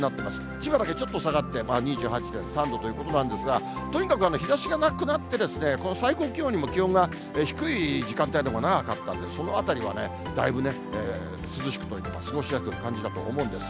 千葉だけちょっと下がって２８．３度ということなんですが、とにかく日ざしがなくなってですね、この最高気温よりも低い時間帯というのが長かったんで、そのあたりはだいぶね、涼しく、過ごしやすく感じたと思うんです。